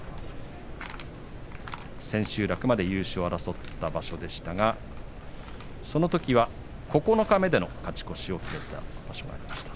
千秋楽まで優勝を争った場所でしたがそのときは九日目での勝ち越しを決めたときもありました。